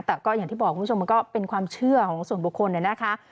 แต่ก็อย่างที่บอกคุณผู้ชมมันก็เป็นความเชื่อของส่วนบุคคลเนี่ยนะคะ